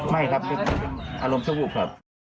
ไม่ครับอารมณ์สบุค่ะ